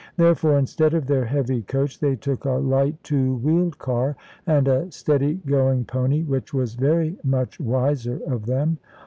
Therefore, instead of their heavy coach, they took a light two wheeled car, and a steady going pony, which was very much wiser of them.